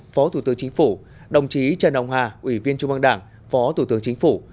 phó thủ tướng chính phủ đồng chí trần hồng hà ủy viên trung băng đảng phó thủ tướng chính phủ